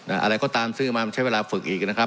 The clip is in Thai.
อะไรก็ตามซื้อมาใช้เวลาฝึกอีกนะครับ